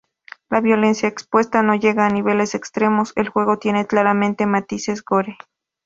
La violencia expuesta no llega a niveles extremos, el juego tiene claramente matices gore.